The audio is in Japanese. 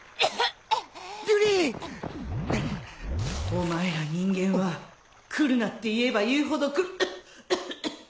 お前ら人間は来るなって言えば言うほど来るケホケホ。